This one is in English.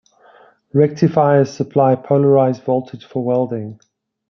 Rectifiers supply polarised voltage for welding.